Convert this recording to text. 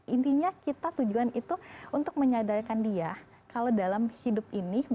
intinya kita tujuan itu untuk menyadarkan dia kalau dalam hidup ini kita harus saling menghargai kasih sayang toleransi